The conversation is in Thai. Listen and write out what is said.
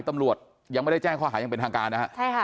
ตำรวจยังไม่ได้แจ้งข้อหายังเป็นทางการนะฮะใช่ค่ะ